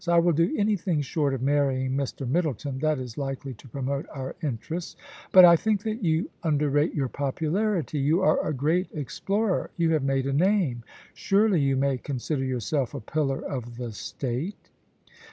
I will do anything short of marrying Mr. Middleton that is likely to promote our interests. But I think that you underrate your popularity. You are a great explorer. You have made a name. Surely you may con sider yourself a pillar of the State.'